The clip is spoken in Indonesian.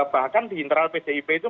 bahkan di internal pdip itu